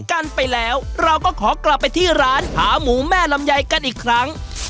กันไปแล้วเราก็ขอกลับไปที่ร้านขาหมูแม่ลำไยกันอีกครั้ง